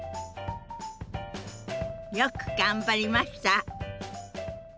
よく頑張りました！